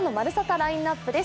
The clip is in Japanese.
ラインナップです。